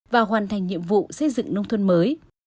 và hoàn thành nhiệm vụ xây dựng nông thôn mới